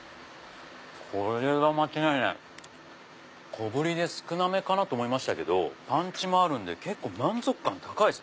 小ぶりで少なめかなと思いましたけどパンチもあるんで満足感高いです！